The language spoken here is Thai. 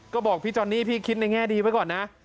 ก็บอกพี่จอนนี่พี่คิดในแง่ดีไว้ก่อนนะ